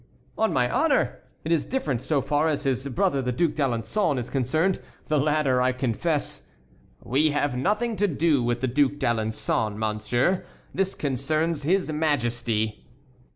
"On my honor! It is different so far as his brother the Duc d'Alençon is concerned. The latter I confess"— "We have nothing to do with the Duc d'Alençon, monsieur; this concerns his Majesty."